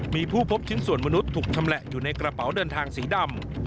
มีผู้พบชิ้นส่วนมนุษย์ถูกชำแหละอยู่ในกระเป๋าเดินทางสีดำ